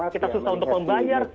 kita susah untuk membayar